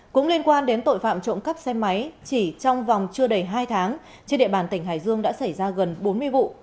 cũng liên quan đến tội phạm trộm cắp xe máy chỉ trong vòng chưa đầy hai tháng trên địa bàn tỉnh hải dương đã xảy ra gần bốn mươi vụ